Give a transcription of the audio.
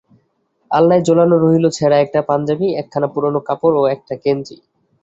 আলনায় ঝুলানো রহিল ছেড়া একটা পাঞ্জাবি, একখানা পুরোনো কাপড় ও একটা গেঞ্জি।